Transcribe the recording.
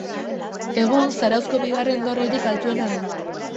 Egun, Zarauzko bigarren dorrerik altuena da.